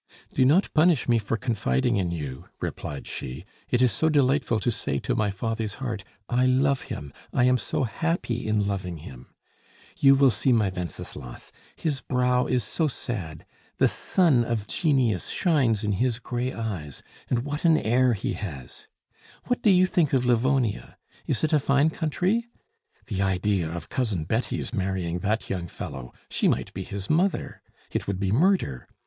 "Do not punish me for confiding in you," replied she. "It is so delightful to say to my father's heart, 'I love him! I am so happy in loving him!' You will see my Wenceslas! His brow is so sad. The sun of genius shines in his gray eyes and what an air he has! What do you think of Livonia? Is it a fine country? The idea of Cousin Betty's marrying that young fellow! She might be his mother. It would be murder!